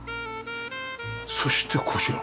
そしてこちら。